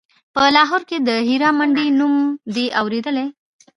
په لاهور کښې د هيرا منډيي نوم دې اورېدلى.